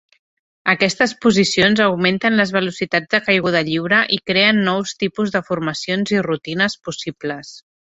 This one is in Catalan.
Aquestes posicions augmenten les velocitats de caiguda lliure i creen nous tipus de formacions i rutines possibles.